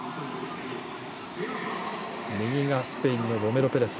右がスペインのロメロペレス。